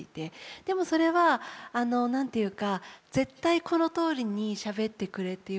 でもそれは何て言うか絶対このとおりにしゃべってくれというわけでもないんです。